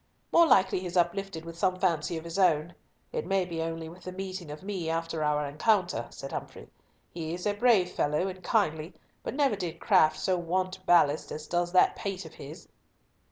"More likely he is uplifted with some fancy of his own. It may be only with the meeting of me after our encounter," said Humfrey. "He is a brave fellow and kindly, but never did craft so want ballast as does that pate of his!"